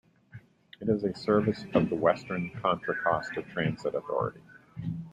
It is a service of the Western Contra Costa Transit Authority.